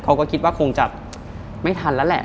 เขาก็คิดว่าคงจะไม่ทันแล้วแหละ